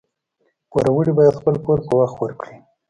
پوروړي باید خپل پور په وخت ورکړي